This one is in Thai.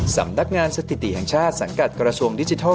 สำนักงานสถิติแห่งชาติสังกัดกระทรวงดิจิทัล